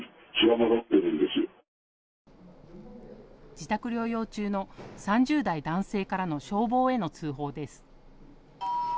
自宅療養中の３０代男性からの消防への通報です。